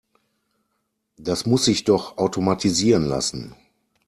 Das muss sich doch automatisieren lassen.